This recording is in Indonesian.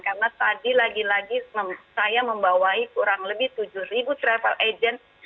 karena tadi lagi lagi saya membawai kurang lebih tujuh ribu travel agent